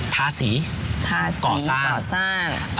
ทาสีก่อสร้าง